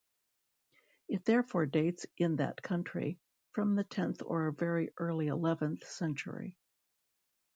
It therefore dates in that country, from the tenth or very early eleventh century.